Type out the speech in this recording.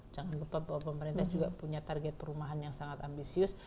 jangan lupa bahwa pemerintah juga punya target perumahan yang sangat ambisius